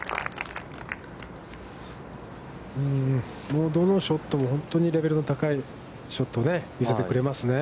もうどのショットも本当にレベルの高いショットを見せてくれますね。